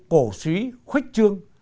cổ suý khuếch trương